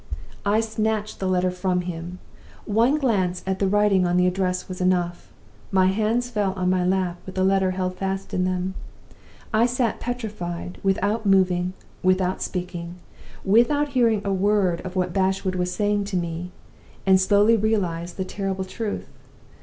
"I snatched the letter from him. One glance at the writing on the address was enough. My hands fell on my lap, with the letter fast held in them. I sat petrified, without moving, without speaking, without hearing a word of what Bashwood was saying to me, and slowly realized the terrible truth.